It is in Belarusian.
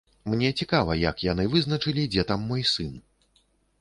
Мне цікава, як яны вызначылі, дзе там мой сын.